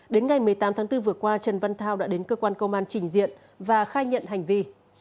đến ngày một mươi tám tháng bốn vừa qua trần văn thao đã đến cơ quan công an trình diện và khai nhận hành vi